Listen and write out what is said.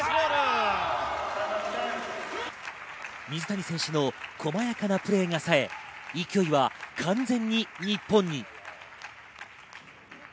水谷選手の細やかなプレーがさえ、勢いは完全に日本に。